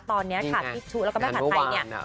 ตอนนี้ค่ะพี่ชุแล้วก็แม่ผัดไทยเนี่ย